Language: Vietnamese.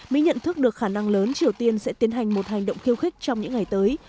mỹ nhận thức được khả năng lớn triều tiên sẽ tiến hành một hành động khiêu khích trong những ngày tới